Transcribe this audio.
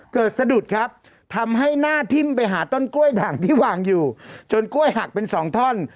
สะดุดครับทำให้หน้าทิ้มไปหาต้นกล้วยด่างที่วางอยู่จนกล้วยหักเป็นสองท่อน